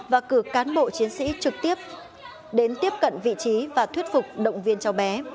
và cử cán bộ chiến sĩ trực tiếp đến tiếp cận vị trí và thuyết phục động viên cháu bé